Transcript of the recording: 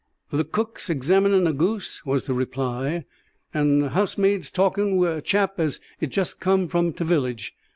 "The cook's examinin' a goose," was the reply, "and the housemaid's talking wi' a chap as is just come from t' village."